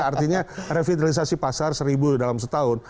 artinya revitalisasi pasar seribu dalam setahun